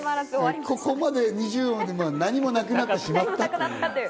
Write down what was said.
ここまで、２０話まで何もなくなってしまった。